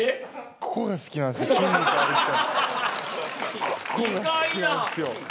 ここが好きなんすよ。